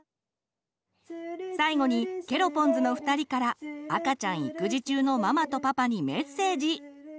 最後にケロポンズの２人から赤ちゃん育児中のママとパパにメッセージ！